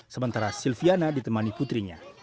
sementara silviana ditemani putrinya